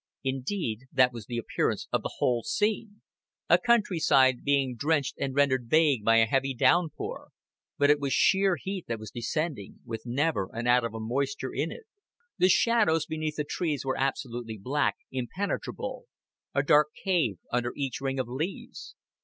Indeed that was the appearance of the whole scene a country side being drenched and rendered vague by a heavy downpour; but it was sheer heat that was descending, with never an atom of moisture in it. The shadows beneath the trees were absolutely black, impenetrable; a dark cave under each ring of leaves.